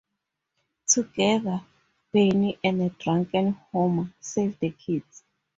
Together, Barney and a drunken Homer save the kids.